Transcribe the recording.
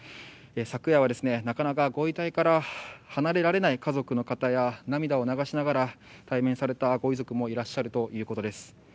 昨夜はなかなかご遺体から離れられない家族の方や涙を流しながら対面されたご遺族もいらっしゃるということです。